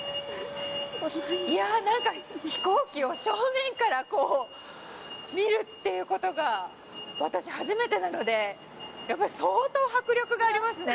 いや何か飛行機を正面からこう見るっていうことが私初めてなのでやっぱり相当迫力がありますね。